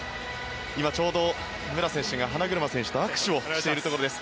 今ちょうど、武良選手が花車選手と握手をしているところです。